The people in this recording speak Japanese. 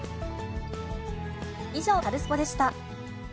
以上、カルスポっ！でした。